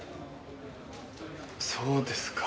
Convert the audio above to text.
そうですか。